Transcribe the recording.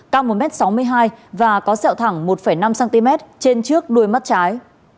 cao một m sáu mươi hai và có sẹo thẳng một năm cm trên trước đuôi mắt trái